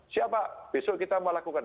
siap pak besok kita mau lakukan